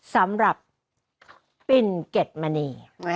สำหรับปิ่นเก็ดมณี